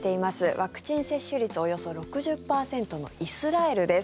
ワクチン接種率およそ６０％のイスラエルです。